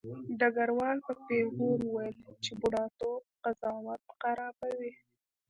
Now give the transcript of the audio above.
ډګروال په پیغور وویل چې بوډاتوب قضاوت خرابوي